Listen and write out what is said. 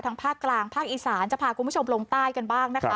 ภาคกลางภาคอีสานจะพาคุณผู้ชมลงใต้กันบ้างนะคะ